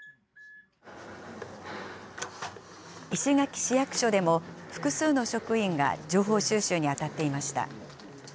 石垣市役所でも複数の職員が情報収集に当たっていました。